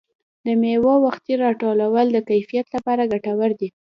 د مېوو وختي راټولول د کیفیت لپاره ګټور دي.